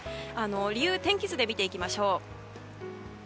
理由を天気図で見ていきます。